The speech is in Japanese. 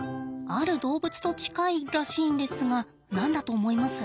ある動物と近いらしいんですが何だと思います？